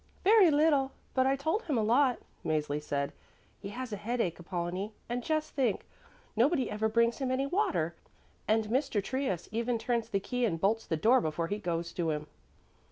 "Very little, but I told him a lot," Mäzli said. "He has a headache, Apollonie, and just think! nobody ever brings him any water, and Mr. Trius even turns the key and bolts the door before he goes to him."